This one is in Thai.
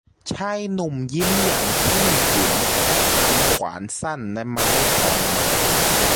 ชายหนุ่มยิ้มอย่างเคร่งขรึม และนำขวานสั้นและไม้พลองมา